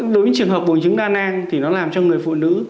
đối với trường hợp bùn trứng đa năng thì nó làm cho người phụ nữ